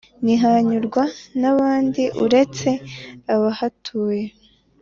Ntihanyurwa n'abandi uretse abahatuye